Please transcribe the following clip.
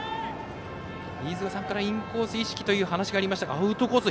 飯塚さんからインコース意識という話がありましたがアウトコース